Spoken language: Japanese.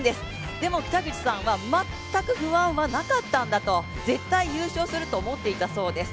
でも北口さんは全く不安はなかったんだと絶対優勝すると思っていたそうです。